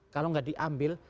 kalau nggak di ambil